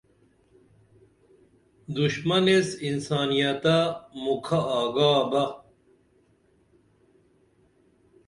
دشُمن ایس انسانیت تہ مُکھہ آگا بہ